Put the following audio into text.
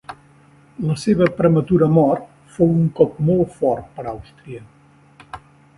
La seva prematura mort fou un cop molt fort per Àustria.